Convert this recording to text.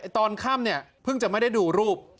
ตอนค่ำเนี่ยเพิ่งจะไม่ได้ดูรูป